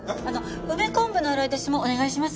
梅昆布の洗い出しもお願いします。